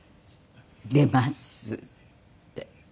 「出ます」って。